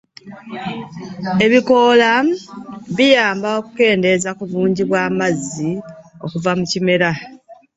Ebikoola biyamba okukendeeza ku bungi bwa'amazzi okuva mi kimera.